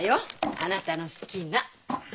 あなたの好きな。